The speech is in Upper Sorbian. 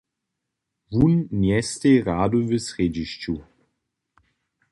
Wón njesteji rady w srjedźišću.